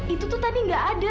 itu tuh tadi nggak ada